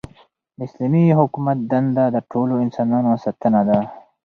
د اسلامي حکومت دنده د ټولو انسانانو ساتنه ده.